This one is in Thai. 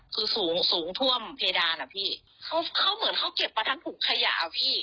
คือสูงสูงท่วมเพดานอ่ะพี่เขาเขาเหมือนเขาเก็บมาทั้งถุงขยะอ่ะพี่